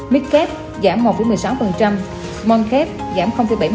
mid cap giảm một một mươi sáu mon cap giảm bảy mươi năm